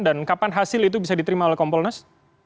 dan kapan hasil itu bisa diterima oleh kompolnas